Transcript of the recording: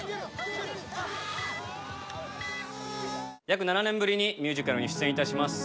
約７年ぶりにミュージカルに出演いたします。